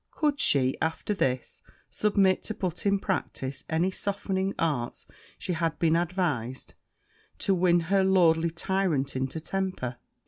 Could she, after this, submit to put in practice any softening arts she had been advised, to win her lordly tyrant into temper?